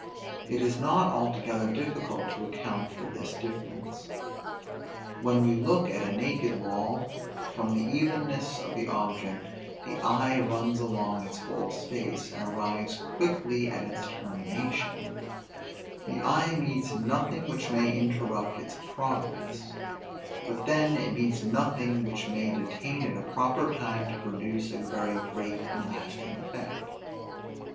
It is not altogether difficult to account for this difference. When we look at a naked wall, from the evenness of the object, the eye runs along its whole space, and arrives quickly at its termination; the eye meets nothing which may interrupt its progress; but then it meets nothing which may detain it a proper time to produce a very great and lasting effect.